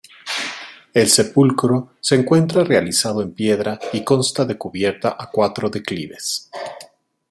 El sepulcro se encuentra realizado en piedra, y consta de cubierta a cuatro declives.